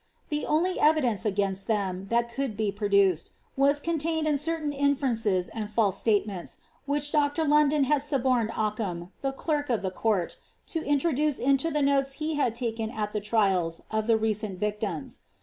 * evidence against them, that could be produced, was contained inferences and false statements, which Dr. London had !)ckham, the clerk of the court, to intrf)duce into the notes he at the trials of the recent victims.'